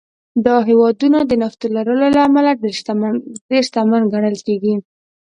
دا هېوادونه د نفتو لرلو له امله ډېر شتمن ګڼل کېږي.